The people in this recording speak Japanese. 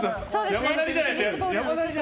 山なりじゃないと。